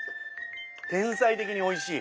天才的においしい！